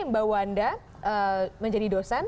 mbak wanda menjadi dosen